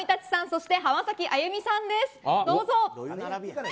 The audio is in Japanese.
そして浜崎あゆみさんです。